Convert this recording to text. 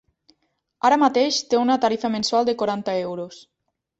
Ara mateix té una tarifa mensual de quaranta euros.